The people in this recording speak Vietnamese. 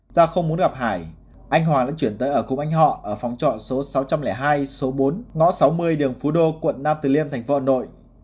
do không muốn gặp hải anh hòa vẫn chuyển tới ở cùng anh họ ở phòng trọ số sáu trăm linh hai số bốn ngõ sáu mươi đường phú đô quận nam từ liêm thành phố hà nội